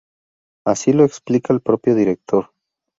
Así lo explica el propio director.